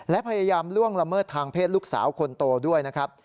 และพยายามล่วงละเมิดทางเพศลูกสาวคนโตด้วยนะครับ